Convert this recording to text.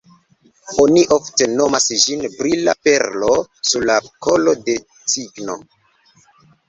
Oni ofte nomas ĝin “brila perlo sur la kolo de cigno”.